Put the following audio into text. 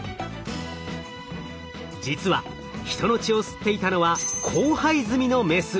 実は人の血を吸っていたのは交配済みのメス。